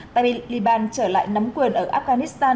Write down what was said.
taliban trở lại nắm quyền ở afghanistan